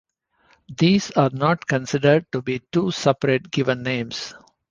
These are not considered to be two separate given names.